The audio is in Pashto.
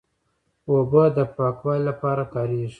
اوبه د پاکوالي لپاره کارېږي.